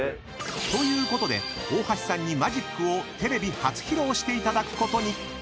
［ということで大橋さんにマジックをテレビ初披露していただくことに］